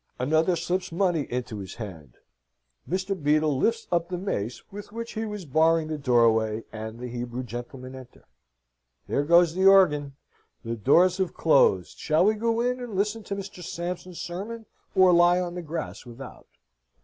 another slips money into his hand, Mr. Beadle lifts up the mace with which he was barring the doorway, and the Hebrew gentlemen enter. There goes the organ! the doors have closed. Shall we go in, and listen to Mr. Sampson's sermon, or lie on the grass without?